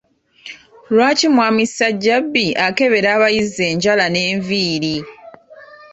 Lwaki mwami Ssajjabbi akebera abayizi enjala n’enviiri?